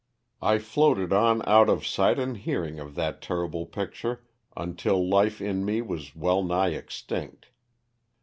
I floated on out of sight and hearing of that terrible picture until life in me was well nigh extinct.